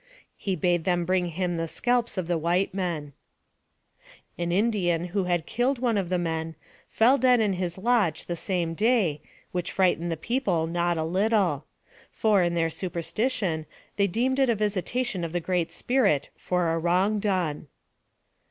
He bade them bring him the scalps of the white men. 216 NARKATIVE OF CAPTIVITY An Indian, who killed one of the men, fell dead in his lodge the same day, which frightened his people not a little ; for, in their superstition, they deemed it a visitation of the Great Spirit for a wrong done.